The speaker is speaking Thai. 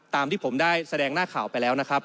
ตามที่ผมได้แสดงหน้าข่าวไปแล้วนะครับ